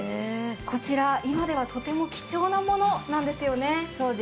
こちら今ではとても貴重なものなんですよね。